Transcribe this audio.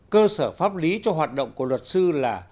cơ sở pháp lý cho hoạt động của luật sư là